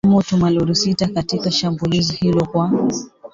kuchoma moto malori sita katika shambulizi hilo kwa